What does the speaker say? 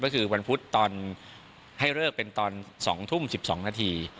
ก็คือวันพุธตอนให้เลิกเป็นตอน๒ทุ่ม๑๒นาที